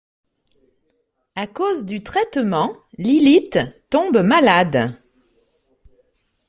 À cause du traitement, Lilith tombe malade.